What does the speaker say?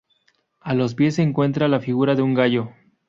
A los pies se encuentra la figura de un gallo.